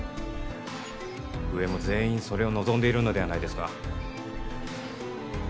上も全員それを望んでいるのではないですか？